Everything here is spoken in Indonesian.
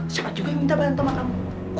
siapa juga yang minta bantuan sama kamu